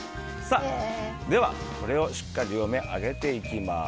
ではこれをしっかり両面揚げていきます。